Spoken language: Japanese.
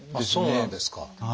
そうなんですか。